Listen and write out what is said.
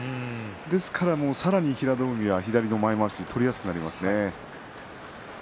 ですからさらに平戸海は左の前まわしを取りやすくなりますね。